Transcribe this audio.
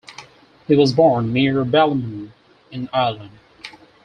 He was born near Ballymena in Ireland.